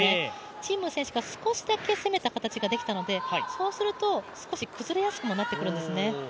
陳夢選手が少し下がった形になりましたのでそうすると、少し崩れやすくもなってくるんですね。